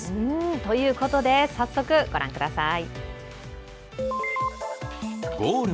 ということで早速、ご覧ください